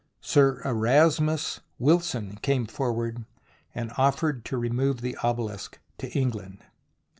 Sir Erasmus Wilson came forward and offered to remove the obelisk to England.